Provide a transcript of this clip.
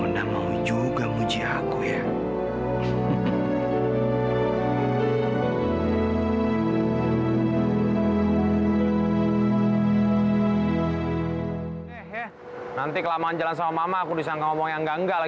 sampai jumpa di video selanjutnya